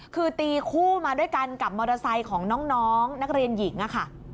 คือตีคู่มาด้วยกันกับมอเตอร์ไซค์ของน้องนักเรียนหญิงอะค่ะ